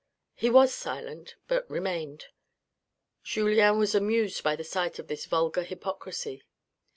He was silent, but remained. Julien was amused by the sight of this vulgar hypocrisy.